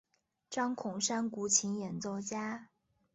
张孔山古琴演奏家。